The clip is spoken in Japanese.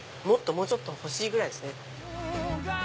もうちょっと欲しいぐらいですね。